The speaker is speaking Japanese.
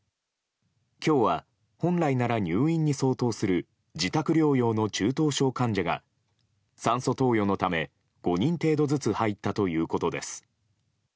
今日は本来なら入院に相当する自宅療養の中等症患者が酸素投与のため５人程度ずつ入ったということです。